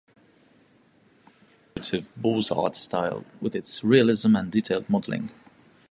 His sculpture was in the figurative Beaux-Arts style, with its realism, and detailed modeling.